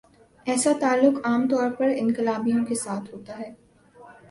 ایسا تعلق عام طور پر انقلابیوں کے ساتھ ہوتا ہے۔